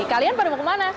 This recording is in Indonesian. kalian pada mau kemana